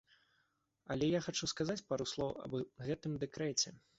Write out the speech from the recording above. Але я хачу сказаць пару слоў аб гэтым дэкрэце.